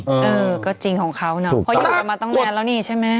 เออก็จริงของเขาเนาะเพราะอยู่กันมาตั้งนานแล้วนี่ใช่ไหม